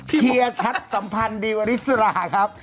เชียร์ชัดสัมพันธ์ดีวริสราครับ